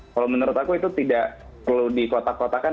kalau menurut aku itu tidak perlu dikotak kotakan